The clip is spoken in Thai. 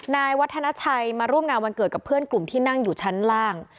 นายวัฒนาชัยมาร่วมงานวันเกิดกับเพื่อนกลุ่มที่นั่งอยู่ชั้นล่าง